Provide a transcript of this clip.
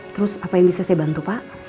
terus apa yang bisa saya bantu pak